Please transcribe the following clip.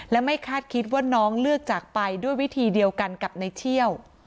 และไม่คาดคิดว่าน้องเลือกจากไปด้วยวิธีเดียวกันกับในเที่ยว